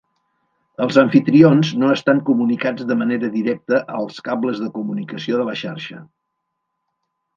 Els amfitrions no estan comunicats de manera directa als cables de comunicació de la xarxa.